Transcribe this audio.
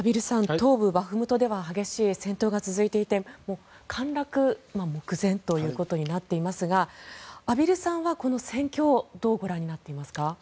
東部バフムトでは激しい戦闘が続いていて陥落目前ということになっていますが畔蒜さんは、この戦況をどうご覧になっていますか？